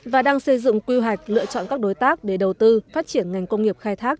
và đang xây dựng quy hoạch lựa chọn các đối tác để đầu tư phát triển ngành công nghiệp khai thác